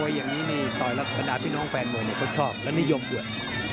ต่อยรับพี่น้องแฟนมวยเนี่ยเขาชอบแล้วนี่ยอมรับ